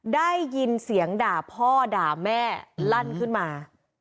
ได้ยินเสียงด่าพ่อด่าแม่ลั่นขึ้นมา